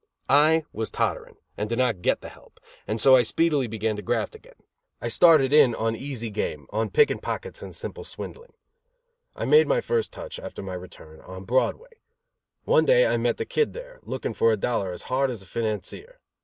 I was tottering, and did not get the help, and so I speedily began to graft again. I started in on easy game, on picking pockets and simple swindling. I made my first touch, after my return, on Broadway. One day I met the Kid there, looking for a dollar as hard as a financier.